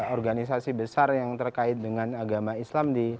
organisasi besar yang terkait dengan agama islam di